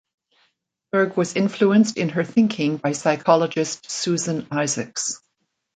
Berg was influenced in her thinking by psychologist Susan Isaacs.